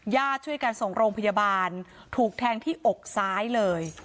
ช่วยกันส่งโรงพยาบาลถูกแทงที่อกซ้ายเลย